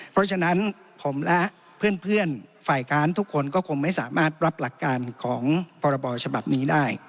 เพราะฉะนั้นผมและเพื่อนฝ่ายค้านทุกคนก็คงไม่สามารถรับหลักการของพรบฉบับนี้ได้